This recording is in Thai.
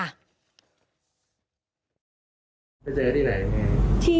ไปเจอกันที่ไหนที่ไหน